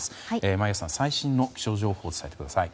眞家さん、最新の気象情報を伝えてください。